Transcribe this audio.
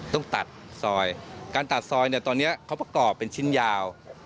ต้องตัดซอยการตัดซอยเขากอบเป็นชิ้นยาว